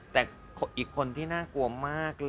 แต่อีกคนที่น่ากลัวมาก